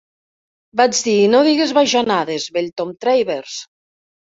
Vaig dir "No diguis bajanades, vell Tom Travers".